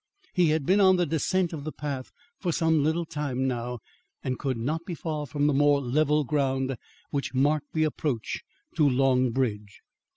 He had been on the descent of the path for some little time now, and could not be far from the more level ground which marked the approach to Long Bridge.